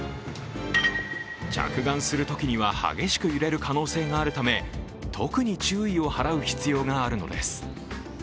着岸するときには激しく揺れる可能性があるため特に注意を払う必要があるのです。